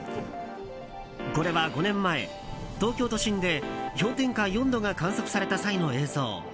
これは５年前、東京都心で氷点下４度が観測された際の映像。